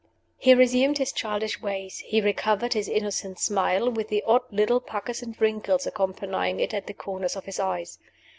He resumed his childish ways; he recover, his innocent smile, with the odd little puckers and wrinkles accompanying it at the corners of his eyes.